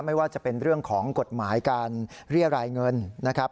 ไม่ว่าจะเป็นเรื่องของกฎหมายการเรียรายเงินนะครับ